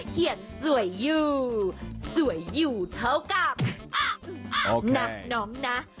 สวยอยู่สวยอยู่เท่ากับนับน้องนะ